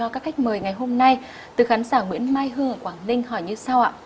các khách mời ngày hôm nay từ khán giả nguyễn mai hương ở quảng ninh hỏi như sau ạ